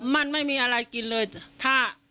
มันไม่มีอะไรกินเลยถ้า